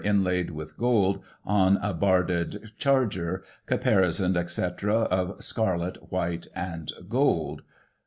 inlaid with gold, on a barded charger. Caparisons, &c., of Scarlet, White and Gold.